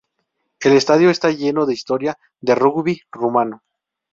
El estadio está lleno de historia de rugby rumano.